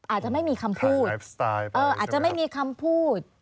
อาจจะไม่มีคำพูดอาจจะไม่มีคำพูด